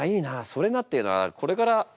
「それな」っていうのはこれからお。